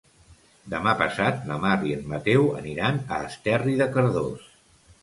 Demà passat na Mar i en Mateu aniran a Esterri de Cardós.